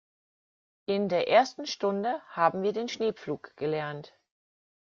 In der ersten Stunde haben wir den Schneepflug gelernt.